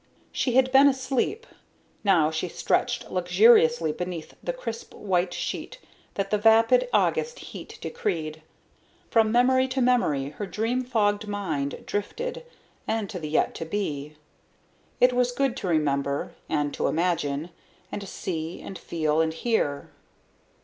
She had been asleep. Now she stretched luxuriously beneath the crisp white sheet that the vapid August heat decreed. From memory to memory her dream fogged mind drifted, and to the yet to be. It was good to remember, and to imagine, and to see and feel and hear....